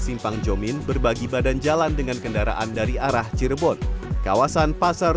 simpang jomin berbagi badan jalan dengan kendaraan dari arah cirebon kawasan pasar